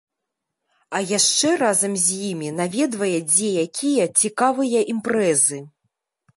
А яшчэ разам з імі наведвае дзе-якія цікавыя імпрэзы.